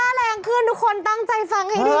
ถ้าแรงขึ้นทุกคนตั้งใจฟังให้ดี